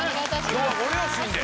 今日はご両親で？